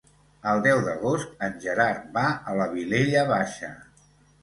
El deu d'agost en Gerard va a la Vilella Baixa.